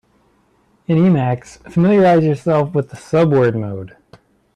In Emacs, familiarize yourself with subword mode.